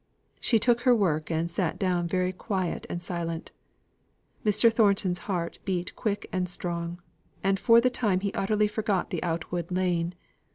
She took her work and sate down very quiet and silent. Mr. Thornton's heart beat quick and strong, and for the time he utterly forgot the Outwood lane.